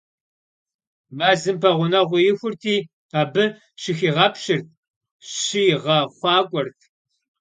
Мэзым пэгъунэгъуу ихурти, абы щыхигъэпщырт, щигъэхъуакӏуэрт.